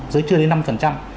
giới trưa đến năm